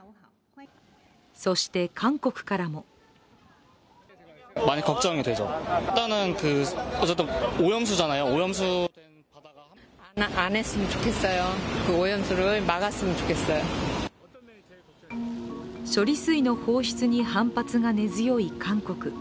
そして韓国からも処理水の放出に反発が根強い韓国。